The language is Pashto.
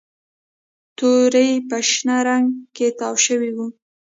توري په شنه رنګ کې تاو شوي وو